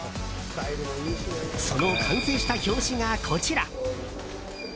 その完成した表紙が、こちら。